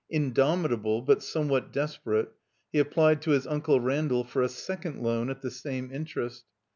Indomitable, but somewhat desperate, he applied to his Uncle Randall for a second loan at the same interest.